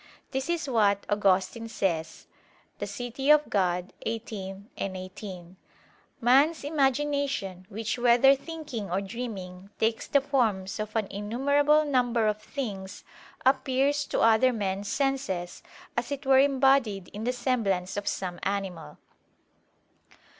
This is what Augustine says (De Civ. Dei xviii, 18): "Man's imagination, which whether thinking or dreaming, takes the forms of an innumerable number of things, appears to other men's senses, as it were embodied in the semblance of some animal."